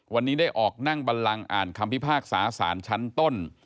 วันนี้ได้ออกนั่งบันลังอ่านคำพิพากษาสารชั้นต้น